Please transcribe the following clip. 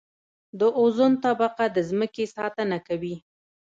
د اوزون طبقه د ځمکې ساتنه کوي